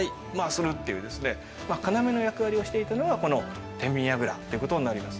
要の役割をしていたのがこの天秤櫓っていうことになります。